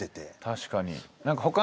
確かに。